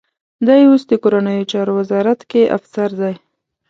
دی اوس د کورنیو چارو وزارت کې افسر دی.